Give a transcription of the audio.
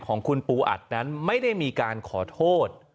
ของคุณปู่หัวอัดนั้นมีการขอโทษ